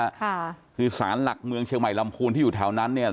ค่ะคือสารหลักเมืองเชียงใหม่ลำพูนที่อยู่แถวนั้นเนี่ย